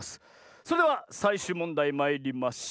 それではさいしゅうもんだいまいりましょう！